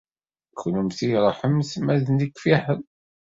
Kennemti ṛuḥemt ma d nekk fiḥel.